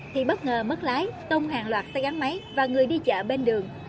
thì bất ngờ mất lái tông hàng loạt xe gắn máy và người đi chợ bên đường